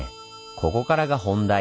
ここからが本題！